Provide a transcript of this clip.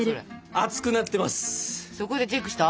熱くなってます。